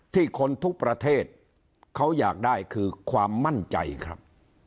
ที่คนทุกประเทศเขาอยากได้คือความมั่นใจครับ